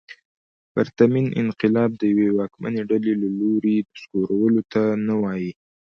پرتمین انقلاب د یوې واکمنې ډلې له لوري نسکورولو ته نه وايي.